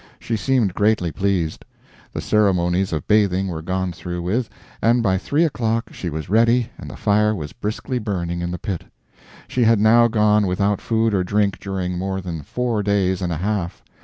She seemed greatly pleased. The ceremonies of bathing were gone through with, and by three o'clock she was ready and the fire was briskly burning in the pit. She had now gone without food or drink during more than four days and a half.